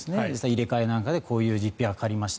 入れ替えなどでこういう実費がかかりました。